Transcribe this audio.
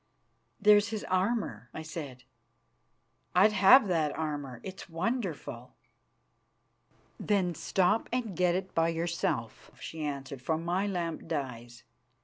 "There's his armour," I said. "I'd have that armour; it is wonderful." "Then stop and get it by yourself," she answered, "for my lamp dies."